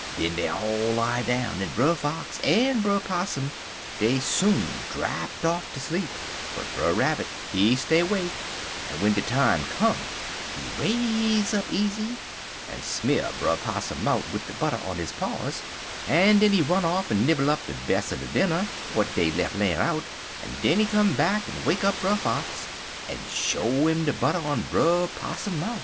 Den dey all lie down en Brer Fox en Brer Possum dey soon drapt off ter sleep, but Brer Rabbit he stay 'wake, en w'en de time come he raise up easy en smear Brer Possum mouf wid de butter on his paws, en den he run off en nibble up de bes' er de dinner w'at dey lef' layin' out, en den he come back en wake up Brer Fox, en show 'im de butter on Brer Possum mouf.